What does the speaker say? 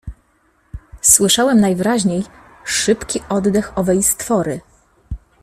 Słyszałem najwyraźniej szybki oddech owej stwory.